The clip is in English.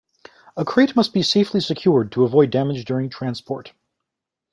A crate must be safely secured to avoid damage during transport.